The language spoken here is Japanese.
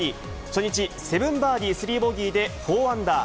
初日、７バーディー３ボギーで４アンダー。